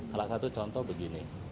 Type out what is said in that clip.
salah satu contoh begini